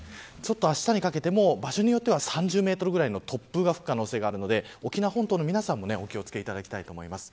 あしたにかけても場所によっては３０メートルぐらいの突風が吹く可能性があるので沖縄本島の皆さんも気を付けてほしいです。